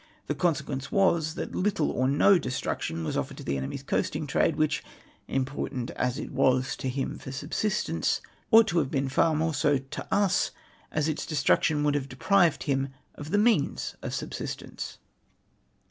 The consequence was, that little or no destruction was offered to the enemy's coasting trade, which, important as it was to him for subsistence, ought to have been for more so to us, as its destruction would have deprived him of the means of subsistence.